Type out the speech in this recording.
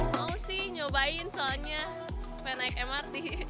mau sih nyobain soalnya pengen naik mrt